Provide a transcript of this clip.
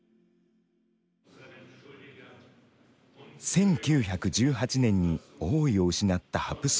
１９１８年に王位を失ったハプスブルク家。